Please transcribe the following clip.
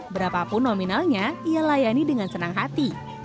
berapapun nominalnya ia layani dengan senang hati